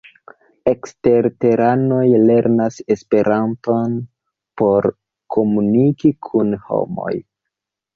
Eksterteranoj lernas Esperanton por komuniki kun homoj.